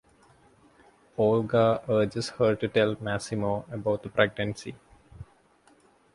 Olga urges her to tell Massimo about the pregnancy.